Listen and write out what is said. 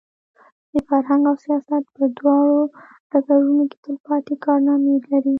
د فرهنګ او سیاست په دواړو ډګرونو کې تلپاتې کارنامې لري.